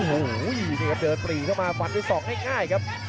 โอ้โหต้องเดินปรี๋นเข้ามาฟันด้วยซอกนี่ง่ายครับ